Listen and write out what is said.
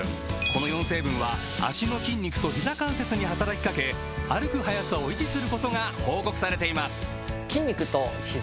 この４成分は脚の筋肉とひざ関節に働きかけ歩く速さを維持することが報告されています